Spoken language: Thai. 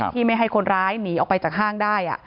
ไม่ให้คนร้ายหนีออกไปจากห้างได้